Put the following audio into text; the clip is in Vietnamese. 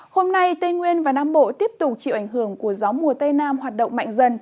hôm nay tây nguyên và nam bộ tiếp tục chịu ảnh hưởng của gió mùa tây nam hoạt động mạnh dần